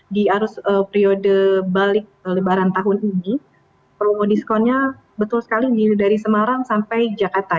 di arus periode balik lebaran tahun ini promo diskonnya betul sekali dari semarang sampai jakarta